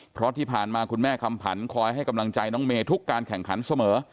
เพราะที่ผ่านมาคุณแม่คำผันคอยให้กำลังใจน้องเมย์ทุกการแข่งขันเสมอ